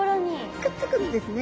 くっつくんですね。